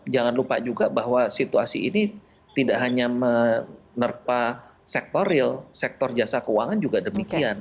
jangan lupa juga bahwa situasi ini tidak hanya menerpa sektor real sektor jasa keuangan juga demikian